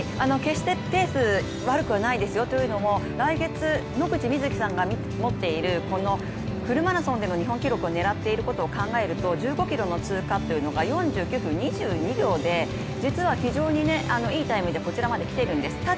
決してペース、悪くないですよ。というのも、来月、野口みずきさんが持っているフルマラソンでの日本記録を狙っていることを考えると１５ｋｍの通過っていうのが４９分２２秒で実は非常にいいタイムでこちらまで来ているんです。